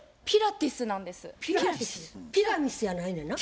ティラミスやないねんな？